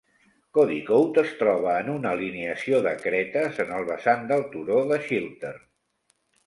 Codicote es troba en una alineació de cretes en el vessant del turó de Chiltern.